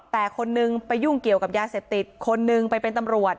แต่คนนึงไปยุ่งเกี่ยวกับยาเสพติดคนนึงไปเป็นตำรวจ